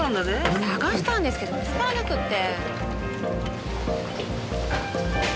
捜したんですけど見つからなくって。